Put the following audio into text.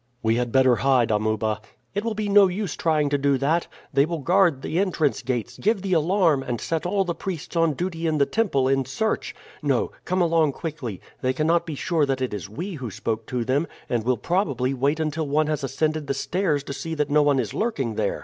"We had better hide, Amuba." "It will be no use trying to do that. They will guard the entrance gates, give the alarm, and set all the priests on duty in the temple in search. No, come along quickly. They cannot be sure that it is we who spoke to them, and will probably wait until one has ascended the stairs to see that no one is lurking there.